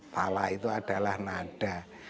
tala itu adalah nada